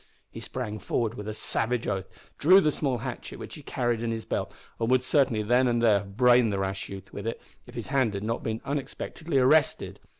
He sprang forward with a savage oath, drew the small hatchet which he carried in his belt, and would certainly then and there have brained the rash youth with it, if his hand had not been unexpectedly arrested.